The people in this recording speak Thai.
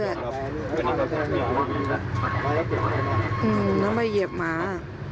อืมต้องไปเหยียบหมา